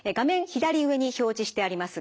左上に表示してあります